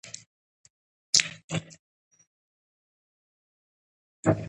د بایسکل سفرونو لومړنی نړیواله بېلګه دی.